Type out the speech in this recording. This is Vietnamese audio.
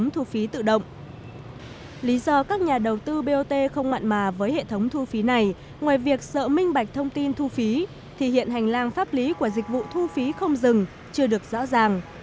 lý do các nhà đầu tư bot không mặn mà với hệ thống thu phí này ngoài việc sợ minh bạch thông tin thu phí thì hiện hành lang pháp lý của dịch vụ thu phí không dừng chưa được rõ ràng